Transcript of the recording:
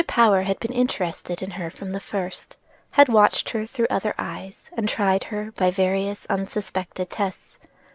Power had been interested in her from the first; had watched her through other eyes, and tried her by various unsuspected tests.